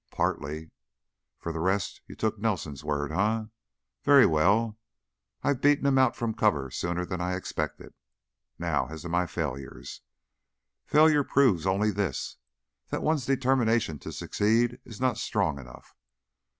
"Partly." "For the rest, you took Nelson's word, eh? Very well, I've beaten him out from cover sooner than I expected. Now as to my failures. Failure proves only this: that one's determination to succeed is not strong enough.